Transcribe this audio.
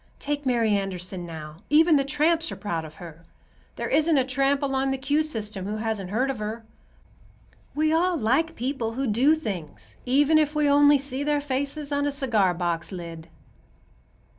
Take Mary Anderson, now; even the tramps are proud of her. There isn't a tramp along the 'Q' system who hasn't heard of her. We all like people who do things, even if we only see their faces on a cigar box lid."